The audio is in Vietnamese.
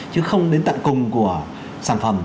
chứ không đến tận cùng của sản phẩm